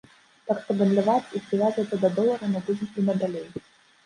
Так што гандляваць і прывязвацца да долара мы будзем і надалей.